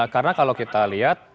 karena kalau kita lihat